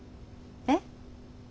えっ？